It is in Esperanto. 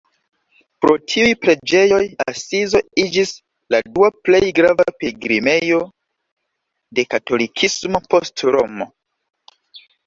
Pro tiuj preĝejoj Asizo iĝis la dua plej grava pilgrimejo de katolikismo post Romo.